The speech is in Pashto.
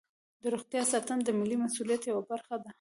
د روغتیا ساتنه د ملي مسؤلیت یوه برخه ده.